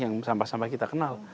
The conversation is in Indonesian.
yang sampah sampah kita kenal